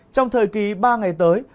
trong thời kỳ ba ngày tới